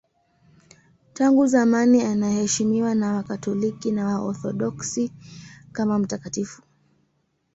Tangu zamani anaheshimiwa na Wakatoliki na Waorthodoksi kama mtakatifu.